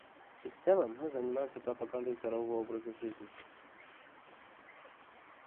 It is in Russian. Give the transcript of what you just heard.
И в целом мы занимаемся пропагандой здорового образа жизни.